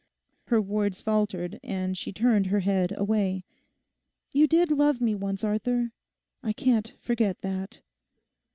Her words faltered and she turned her head away. 'You did love me once, Arthur, I can't forget that.